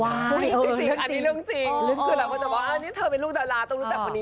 จริงอันนี้เรื่องจริงคือเราก็จะว่านี่เธอเป็นลูกดาราต้องรู้จักคนนี้